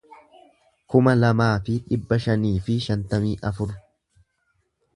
kuma lamaa fi dhibba shanii fi shantamii afur